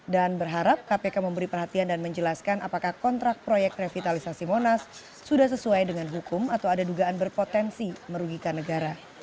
dan berharap kpk memberi perhatian dan menjelaskan apakah kontrak proyek revitalisasi monas sudah sesuai dengan hukum atau ada dugaan berpotensi merugikan negara